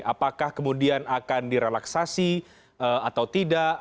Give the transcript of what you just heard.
apakah kemudian akan direlaksasi atau tidak